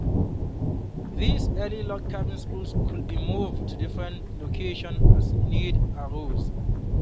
These early log cabin schools could be moved to different locations as need arose.